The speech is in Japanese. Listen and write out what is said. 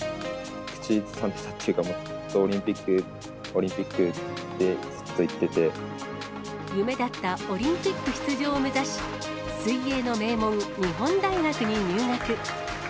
口癖がオリンピック、オリン夢だったオリンピック出場を目指し、水泳の名門、日本大学に入学。